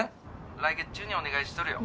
来月中にお願いしとるよ